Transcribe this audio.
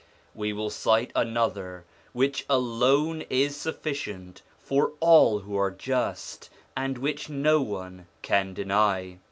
We will cite another which alone is sufficient for all who are just, and which no one can deny.